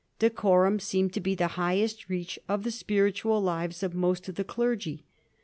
Decorum seemed to be the highest reach of the spiritual lives of most of the clergy.